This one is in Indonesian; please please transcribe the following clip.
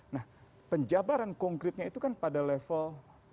nah penjabaran konkretnya itu kan pada level